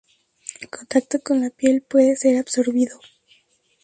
En contacto con la piel puede ser absorbido.